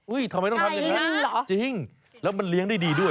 ทำไมต้องทำอย่างนั้นจริงแล้วมันเลี้ยงได้ดีด้วย